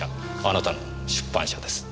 あなたの出版社です。